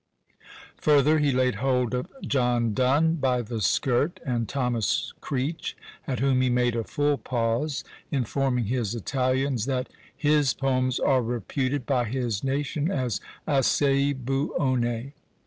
Further he laid hold of "John Donne" by the skirt, and "Thomas Creech," at whom he made a full pause, informing his Italians that "his poems are reputed by his nation as 'assai buone.'"